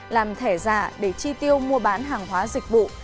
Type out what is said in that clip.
làm thẻ giả để chi tiêu mua bán hàng hóa dịch vụ